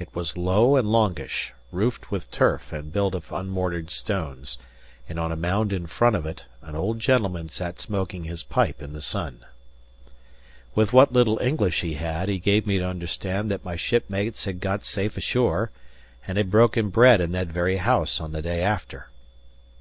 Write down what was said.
It was low and longish, roofed with turf and built of unmortared stones; and on a mound in front of it, an old gentleman sat smoking his pipe in the sun. With what little English he had, he gave me to understand that my shipmates had got safe ashore, and had broken bread in that very house on the day after.